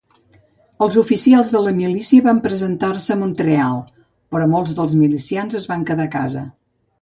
Els oficials de la milícia van presentar-se a Mont-real, però molts dels milicians es van quedar a casa.